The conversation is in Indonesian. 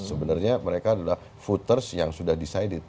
sebenarnya mereka adalah voters yang sudah decided